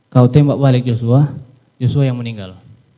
kamu tembak balik joshua joshua yang meninggal